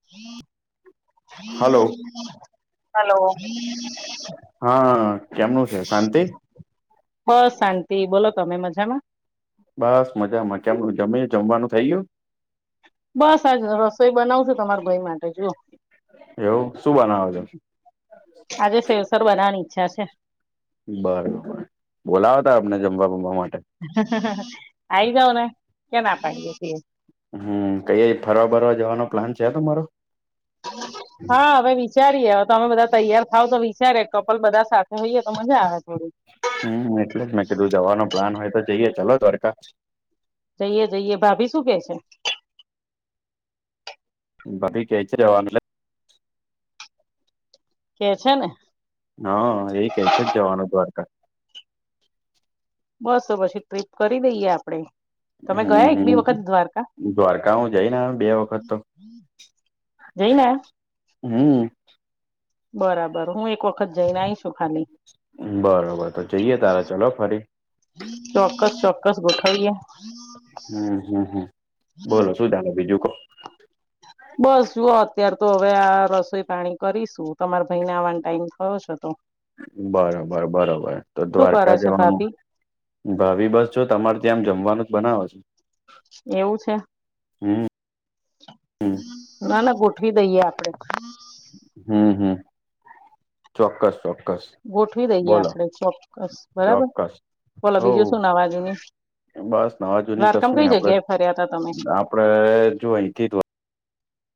હમ hello હમ હા [inaudible] કેમનું છે શાંતિ હાલો. બસ શાંતી બોલો તમે મજામાં? બસ મજામાં કેમ જમી જમવાનું થઇ ગયું બસ આજ રસોઈ બનાવ છું તમારા ભાઈ માટે જો એવું શું બનાવો છો? આજે સેવસર બનાવાની ઈચ્છા છે. બરોબર બોલાવો તો આમને જમવા બમવા માટે આઈ જાવ ને ક્યાં ના પાડીએ છીએ હમ કંઈયે ફરવા બરવા જવાનો પ્લાન છે, તમારો? હા હવે વી ચારીએ તમે બધા તૈયાર થાવ તો વિચારીએ કપલ બધા સાથે હોઈએ તો મજા આવે થોડી હમ એટલે જ મેં કીધું જવાનો પ્લાન હોય તો જઈએ ચાલો દ્વારકા જઈએ જઈએ ભાભી શું કે છે? ભાભી કે છે, જવાનું એટલે કે છે, ને હા એ કે છે, જ જવાનું દ્વારકા બસ તો પછી ટ્રીપ કરી દઈએ આપડે તમે ગયા હમ એક બી હમ વખત દ્વારકા દ્વારકા હું જઈને આવ્યો બે વખત તો જઈને આયા હમ. બરાબર હું એક વખત જઈને આઈ છું ખાલી બરોબર તો જઈએ તારે ચલો ફરી ચોક્કસ ચોક્કસ ગોઠવીએ હમ હમ હમ બોલો સુું ચાલે બીજું કો? બસ જુઓ અત્યારે તો હવે આ રસોઈ પાણી કરીશું તમારા ભાઈને આવાનો ટાઈમ થયો છે, તો બરોબર બરોબર તો શું કરે દ્વારકા છે જવાનું ભાભી ભાભી બસ જો તમાર તેમ જમવાનું જ બનાવે છે. એવું છે, હમ હમ ના ના ગો [unintelligible] દઈએ આપણેે હમ હમ ચોક્કસ ચોક્કસ ગોઠવી દઈએ બોલો આપડે ચોક્કસ બરાબર ચોક્કસ બોલો હો બીજું શું નાવાજુની બસ નવા જૂની કશું નય આપડે ફર્યા તા તમે આપડે જો અહીથી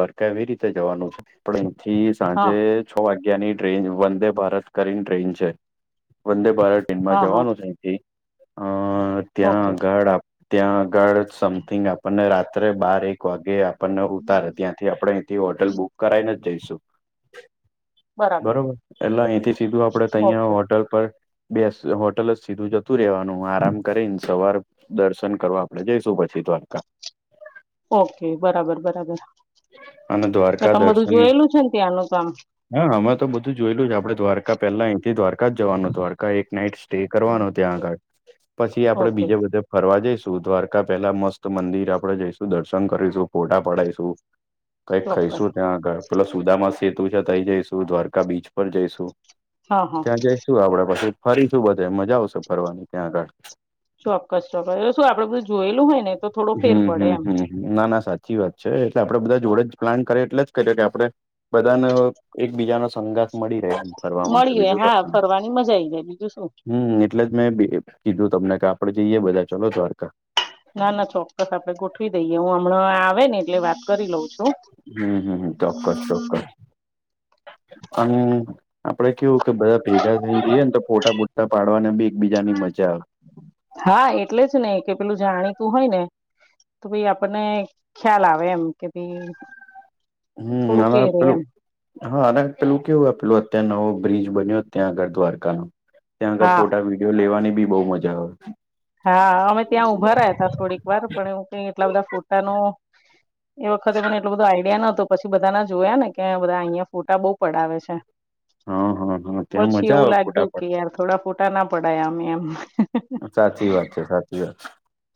દ્વારકા એવી રીતે જવાનું છે, પણ અહીંથી હા સાંજે છ વાગ્યા ની ટ્રેન વંદે ભારત કરીને ટ્રેન છે, વંદે ભારત ટેનમાં હા હા જવાનુંથી અ ઓકે ત્યાં આગડ આ ત્યાં આગળ સમથિંગ આપણને રાત્રે બાર એક વાગે આપણને ઉતારે. અયથી આપણે અયથી હોટલ બુક કરાઈને જ જઈશું. બરાબર બરોબર એટલે અહીંથી સીધું આપડે તયા ઓકે હોટલ પર બેસ હોટલ જ સીધું જતું રહેવાનું આરામ કરીને સવારે દર્શન કરવા આપડે જઈશું પછી દ્વારકા ઓકે બરાબર બરાબર. અને એ દ્વારકા તમે બધું દર્શન જોયેલું છે ને ત્યાંનું કામ હા અમે તો બધું જોયલું છે આપણે દ્વારકા પહેલા અહીંથી દ્વારકા જવાના દ્વારકા એક નાઈટ સ્ટે કરવાના ત્યાં આગળ. પછી આપડે ઓકે બીજા બધા ફરવા જઈશું દ્વારકા પેહેલા મસ્ત મંદિર આપડે જઈશું, દર્શન કરીશું, ફોટા પડાયશું. કંઈક ચોક્કસ ખઈશું ત્યાં આગળ પેલા સુદામા સેતુ છે ત્ય જઈશું દ્વારકા બીચ પર જઈશું. હા હા ત્યાં જઈશું આપડે પછી ફરીશું બધે મજા આવશે ફરવાની ત્યાં આગળ. ચોક્ક્સ ચોક્કસ. એ શું આપડે બધું જોયેલું હોય ને તો થોડો ફેર હમ પડે હમ એમ. હમ ના ના સાચી વાત છે. કે આપડે બધા જોડે જ પ્લાન કરયે એટલે જ કદાચ એટલે આપડે બધાનો એકબીજાનો સંઘર્ષ મળી રેય એમ ફરવા માટે મળીએ બીજું હા [unintelligible] ફરવાની મજા આઈ જાય બીજું શું હમમ. એટલે જ મેં બ કીધું તમને કે આપડે જઈએ બધા ચલો દ્વારકા. ના ના ચોક્કસ આપડે ગોઠવી દઈએ હું હમણાં આવે ને એટલે વાત કરી લઉં છું. હમમ હમમ ચોક્કસ ચોક્કસ. અમ આપડે કેવું કે બધા ભેગા થઈ જઈએ ને તો ફોટા બુટા પાડવાની બી એકબીજાની મજા આવે. હા એટલે જ ને કે પેલું જાણીતું હોય ને તો ઈ આપણને ખ્યાલ આવે એમ કે ભઈ હમમ આમાં પેલું હા અને પેલું કેવું પેલું ત્યા નવો બ્રિજ બન્યો ત્યાં આગળ દ્વારકા માં. ત્યાં આગળ હા ફોટા વિડીયો લેવાની બી બો મજા આવે. હા અમે ત્યાં ઉભા રહ્યા હતા થોડીક વાર પણ કે એટલા બધા ફોટા નો એ વખતે મને એટલો બધો આઈડિયા નોતો પછી બધાના જોયા ને કે બધા અહિયાં ફોટા બો પડાવે છે. હા હા હા ત્યાં પછી મજા એવું આવે ફોટા લાગ્યું પાડ કે યાર થોડા ફોટા ના પડાયા અમે એમ. સાચી વાત છે સાચી વાત છે.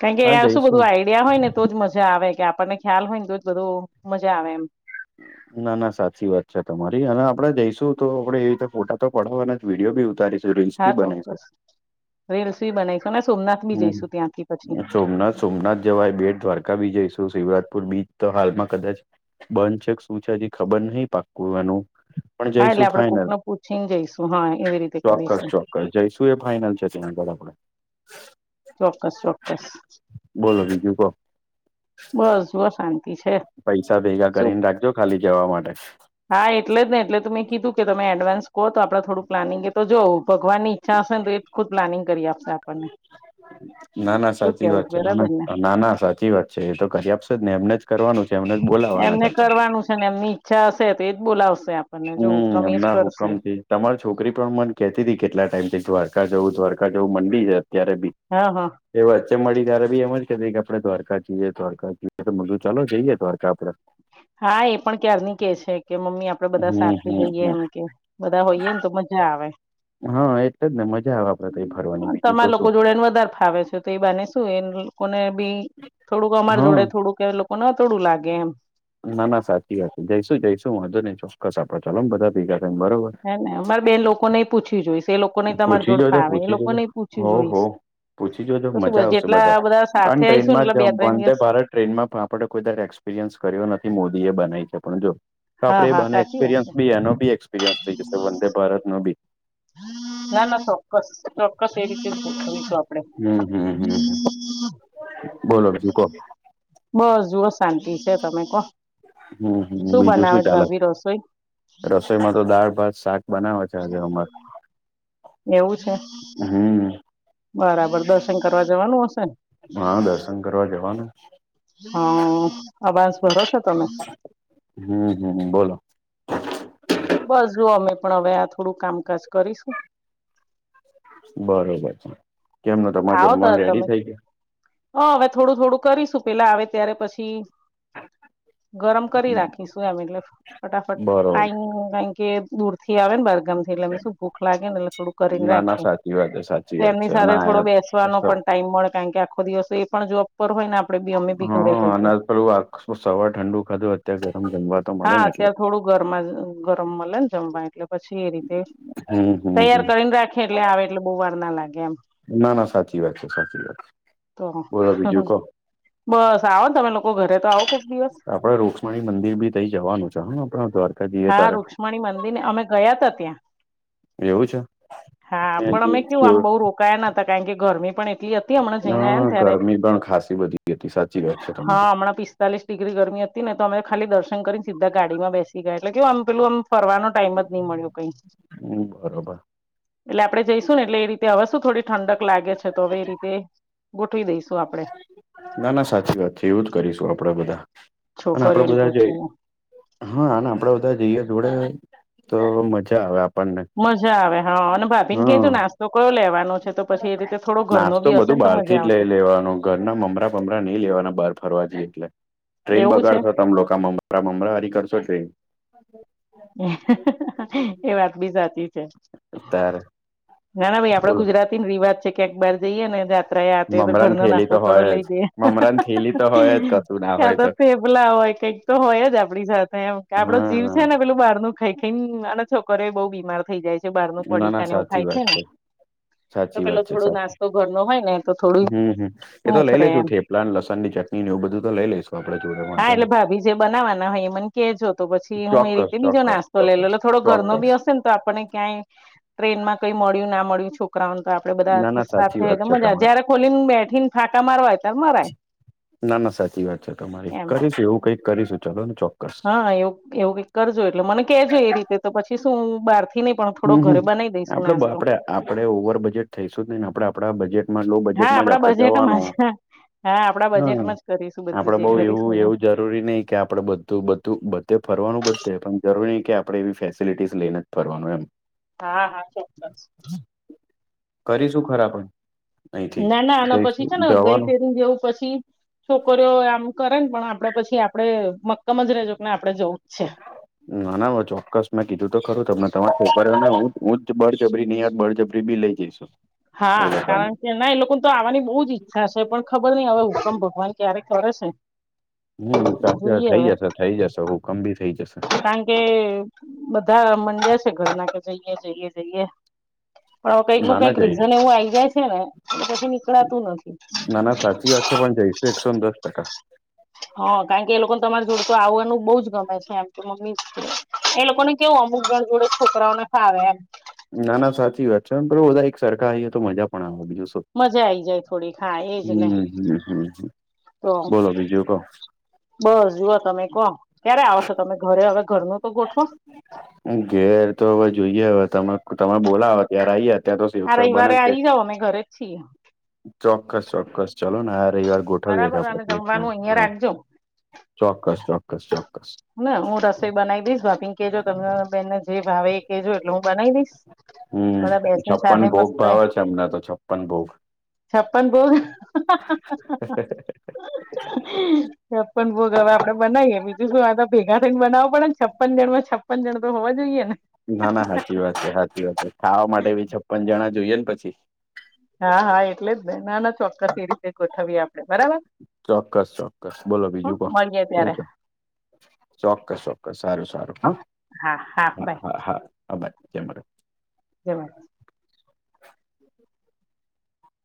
કારણ કે આ શું બધું આઈડિયા હોય ને તો જ મજા આવે કે આપણને ખ્યાલ હોય ને તોજ બધું મજા આવે એમ. ના ના સાચી વાત છે તમારી અને આપડે જઈશું તો આપડે એવી રીતે ફોટા તો પડાવાના અને વિડીયો બી ઉતારીશું. રીલ્સ હા બી બનાવીશુ. ચોક્કસ રીલ્સ બી બનાવીશું ને સોમનાથ બી હમમ જઈશું ત્યાંથી પછી ને સોમનાથ સોમનાથ જવાય, બેટ દ્વારકા બી જઈશું. શિવરાજપુર બીચ તો હાલમાં કદાચ બંધ છેક શું છે હજી ખબર નય પાકું એનું. પણ હા એટલે જઈશું આપણે કોક ફાઈનલ ને પૂછીને જઈશું હા એવી રીતે કરીશું. પણ જાયશુ એ ફાઈનલ છે ત્યાં આગળ આપડે. ચોક્કસ ચોક્કસ. બોલો બીજું તો. બસ જોવો સા પૈસા ભેગા કરીને રાખજો ખાલી જવા માટે. હા એટલે જ ને એટલે તો મેં કીધું કે તમે એડવાન્સ કોહ તો આપણે થોડું પ્લાનિંગ એ તો જો ભગવાનની ઈચ્છા હશે ને એ ખુદ પ્લાનિંગ કરયે આપડે ના ના સાચી કેવું વાત છે. નાના બરાબર ને નાના સાચી સાચી વાત છે એ તો કરયા આપશે ને એમને જ કરવાનું કેમ નય બોલા એમને કરવાનું છે ને એમની ઈચ્છા હશે તો એજ બોલાવશે આપ હમ હમણાં હુકમથી. તમારી છોકરી પણ મન કેતી ત કેટલા ટાઈમથી દ્વારકા જવું દ્વારકા જવું મંડી જ અત્યારે બી. હા હા. એ વચ્ચે મળી ત્યારે બી એમ જ કેહતી કે આપણે દ્વારકા જીએ, દ્વારકા જીએ તો મેં કીધું ચાલો જઈએ દ્વારકા આપડે. હા એ પણ ક્યારનું કે છે. કે મમ્મી આપડે બધા હમ સાથે હમ જઈએ એમ હમ કે બધા હોઈએ ને તો મજા આવે. હા એટલે જ ને મજા આવે આપડે ત્ય ફરવાની બીજું તમારા તો લોકો શું જોડે ને વધારે ફાવે છે તો એ બાને શું એ લોકોને બી થોડુંક અમાર હા જોડે થોડુંક કે લોકો ના તોડું લાગે એમ. ના ના સાચી વાત છે જઈશું જઈશું હંધો નને ચોક્કસ આપડે ચાલોમ બધા ભેગા થાયને બરોબર. હ અમારે બેન લોકો નઈ પૂછ્યું જોઈશ એ લોકો તમાર પૂછી જોડફા જોજો આવે એ પૂછી લોકો જોજો ન પૂછ્યું હોવ જોઈશ. હોવ પૂછી જો જો તો મજા શું આવશે જેટલા બધા, પણ સાથે આવીશું ને ટ્રેનમાં એટલે બે ત્રણ વંદે દિવસ ભારત ટ્રેનમાં પણ આપડે કોઈ ત એક્સપિરિયન્સ કર્યો નથી મોદી એ બનાવી છે પણ જો. હા હા આપડેને સાચી વાત એક્સપિરિયન્સ છે બી એનો બી એક્પિરિયન્સ થઈ જશે વંદે ભારતનો બી. ના ના ચોક્કસ. ચોક્કસ એ રીતે આપડે. હમ હમ હમ બોલો છ કોણ. બસ જુઓ શાંતિ છે તમે કોણ. હમ હમ શું બનાવે છે ભભી રસોઈ? એમાં તો દાળ ભાત શાક બનાવે છે આજે અમારે. એવું છે? હમ. બરાબર દર્શન કરવા જવાનું હશેને? હા દર્શન કરવા જવાનું. હ અવાજ ભરો છો તમે? હમ હમ બોલો. બસ જો અમે પણ હવે આ થોડું કામકાજ કરીશું. બરોબર છે. માં આવો તો જમવાનું રેડી તમે થઈ ગયા? હ હવે થોડું થોડું કરીશું પેલા આવે ત્યારે પછી ગરમ કરી ગયું રાખીશું એમ એટલે ફટાફટ બરોબર આ ક કે દૂર થી આવે ને બરગમ થી એટલે શું ભૂખ લાગે ને એટલે થોડું કરીને ના ના રાખીએ, સાચી વાત છે સાચી એટલે વાત છે એમની અને સાથે થોડો બેસવાનો આયા પણ ટાઈમ મળે કારણ કે આખો દિવસો એ પણ જોબ પર હોય ને આપણે હા અનાજ પેલું આ સવાર ઠંડુ ખાધું અત્યારે ગરમ રમવા હા અત્યારે થોડું ગરમ ગરમ મળે ને જમવા એટલે પછી એ રીતે હમ હમ હમ. તૈયાર કરીને રાખે એટલે આવે એટલે બહુ વાર ના લાગે એમ. ના ના સાચી વાત છે સાચી વાત તો બોલો બીજું કો. બસ આવો ને તમે લોકો ઘરે તો આવો કોક દિવસ. આપડે રુક્ષ્મણી મંદિર બી થઈ જવાનું છે હ આપણા દ્વાર હા રુક્ષ્મણી મંદિર ને અમે ગયા ત ત્યાં. એવું છે હા પણ અમે કેવું આમ બહ રોકાયા ન હતા કારણ કે ગરમી પણ એટલી હતી હમણાં જઈને આયા ને હ ત્યારે ગરમી પણ ખાસી બધી હતી સાચી વાત છે તમારી. તાલીસિગ્રી ગરમી હતીને તો અમે ખાલી દર્શન કરીને સીધા ગાડીમાં બેસી ગાય એટલે કેવું આ પેલું આમ ફરવાનો ટાઈમ જ નહી મળ્યો કઈ. હમ બરોબર એટલે આપડે જઈશું ને એટલે એ રીતે હવે શું થોડી ઠંડક લાગે છે તો હવે એ રીતે ગોઠવી દઈશું. આપડે ના ના સાચી વાત છે એવું જ કરીશું આપડે બધા, અને આપડે છોકરીઓને બધા જે પૂછીને હા આપડે બધા જઈએ જોડે તો મજા આવે આપ મજા આવે હા અને ભાભી ને કધું નાસ્તો કયો લેવાનો? છે તો પછી એ રીતે થોડો ઘર ન નાસ્તો બી હશે બધું ને તો બહાર થી મજા જ લઈ આવશે. લેવાનું ઘરના મમરા પમરા નહી લેવાના બાર ફરવા જઈએ એટલે, ટ્રેન એવું છે બગાડશો તમે લોકો મ અમરા હરી કરશો ટ્રેન. એ વાત બી સાચી છે. તારે. ના ના ભાઈ આપડે ગુજરાતી રિવાજ છે ક્યાંક બહાર જઈએ અને તો મમરાની ઘરનો થેલી નાસ્તો તો થોડો હોય જ લઈ જઈ, મમરાની થેલી તો હોય જ કશું ના હોય તો પેપલા હોય કઈક તો હોય જ આપણી સાથેમ આપડો જીવ છે હા ને. પેલું બહારનું ખાઈ ખાઈ ને આના છોકરો બહુ બીમાર થઈ જાય છે બાર નું ના ના પડીકા ને એવું સાચી ખાય છે વાત ને. તો સાચી પેલો વાત છે થોડો સાચી નાસ્તો ઘર નો હોય ને તો થોડું હફરે એમ. લ લસણની ચટણી ને એ બધું તો લઈ લઈશું આપણે હા જોડવા. એટલે ભાભી જે બનાવાના હોય એ મને કેહેજો તો પછી હું એ ચોક્કસ રીતે બીજો ચોક્કસ નાસ્તો ચોક્કસ લેટલે થોડો ઘરનો ચોક્કસ બી તો આપણને ક્યાંય, ટ્રેન માં કઈ મળ્યું ના મળ્યું છોક કરા તો આપડ ના બધા ના સાથે સાચી વાત હોય છે મજા તમારી જયારે ખોલીને બેઠી ને ફાકા મારવાય. ત્યારે મરાય ના ના સાચી વાત છે તમારી એમ કરીશું એવું કઈક કરીશું ચાલો ને ચો હા એવું એવું ક કરજો એટલે મને કેહેજો એ રીતે તો પછી શું બહારથી હમ, આપડે આપડે આપડે ઓવર બજેટ થઈશું નઈને આપડે આપડા બજેટ હા આપડા બજેટમાં જ હા આપડા હા બજેટમાં જ કરીશું બધું આપડે બઉ જે કરીશું. એવું ને. એવું જરૂરી નહી કે આપડે બધું બધું બધે ફરવાનું બધશે પણ જરૂરી ન કે આપડે એવી ફેસિલિટીસ લઈને પવાનું એમ. હા હા ચોસ કરીશું ખરા પણ. અહીંથી ના ના આના પછી જઈશું છે ને ગઈ જવાનું ફેર જવું પછી છોકરીઓ આમ કરે ને પણ આપડે પછી આપડે મક્કમ જ રજો કેને આપડે જવું જ છે. ના ના ચોક્કસ મેં કીધું તો ખરું તમને તમા ખબર ને બળજબરી નહી યાદ બળજબરી બી લઈ જઈશું. હા એ ક લોકોને ના એ લોકો તો આવવાની બહુ જ ઈચ્છા છે પણ ખબર નઈ હવે હુકમ ભગવાન ક્યારે કરે છે. હમ એ સાચ જોઈએ થઇ હવે જશે થઇ જશે હ કમ ભી થઇ જશે. કારણ કે બધા મનડ્યા છે ઘરના કે જઈએ જઈએ જઈએ. પણ હવે કઈક ના નું ના કઈક જઈશ રીઝન એવું આઈ જાય છે ને એ પછી નીકળતું નથી. ના ના સાચી વાત છે પણ જઈશું એકસો ને દસ ટકા. હ કારણ કે એ લોકોને તમારા જોડ તો આવવાનું બહુજ ગમે છે એમ. મસ્ત એ લોકો ને કેવું અમુક ગણ જોડે છોકરાઓને ખાવે એમ. ના ના સાચી વાત છે બુ બધા એક સરખા આવીઈએ તો મજા પણ આવેો બીજું શ. મજા આઈ જાય થોડીક હા એજ હ ને હ, તો બોલો બીજયો ક. બસ જુઓ તમે કહો ક્યારે આવ છો તમે ઘરે? હવે ઘર ન તો ગોઠવો. ઘેર તો હવે જોઈએ હવે તમે તમે બોલા ત્યારે આઈય અત્યારે તો આ શિવક્ષર બને રવિવારે છે, આવી જાવ અમે ઘરે જ છીએ ચોક્કસ ચોક્કસ. ચાલલો ને આ રવિવાર ગોઠવીએ બરાબર અને આપડે પ્ને. જમવાનું અહિયાં રાખજો ચોક્કસ ચોક્કસ ચોક્કસ. ના હું રસોઈ બનાવી દઈશ ભાપી ને કેહેજો તમે બેનને જે ભાવ એ કેહેજો એટલે હું બનાવી દઈશ. હમ બધા બેસીને છપ્પન સાથે ભોગ મસ્ત ભાવે છે અમને તો છપ્પન ભોગ. છપ્પન ગોગ. ચપ્પન બો હવે આપડે બનાવીએ બીજું શું વા- ભેગા થઈને બનાવો પડે છપ્પન જણ માં છપ્પન જણ તો હોવા જોઈએ ને. ના ના સાચી વાત છે સાચી વાત છે ખાવા માટે બી છપ્પન જણા જોઈએ ને પછી. હા હા એટલે જ ના ના ચોક્કસ એ રીતે ગોઠવીએ આપડણે બરાબર. ચોક્કસ ચોક્કસ બોલો હ બીજું કો મળીએ શું ત્યારે છે? ચોક્કસ ચોક્કસ સારું સારું હ હા, હા હા બાય હા હા હા ભાઈ જ. જવાર.